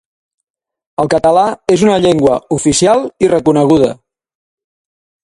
El català és una llengua oficial i reconeguda.